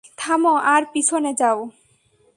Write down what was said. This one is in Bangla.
থামো আর পিছনে যাও।